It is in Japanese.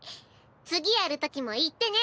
次やるときも言ってね。